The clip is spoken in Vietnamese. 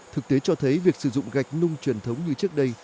thực tế cho thấy việc sử dụng gạch nung truyền thống như trước đây